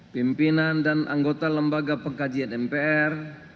pimpinan dan anggota lembaga pengkajian mpr